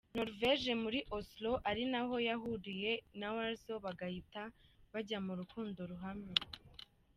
Norvege muri Oslo ari naho yahuriye na Weasel bagahita bajya mu rukundo ruhamye.